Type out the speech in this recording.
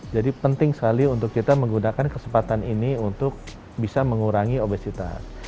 jadi penting sekali untuk kita menggunakan kesempatan ini untuk bisa mengurangi obesitas